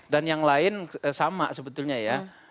dan yang lain sama sebetulnya ya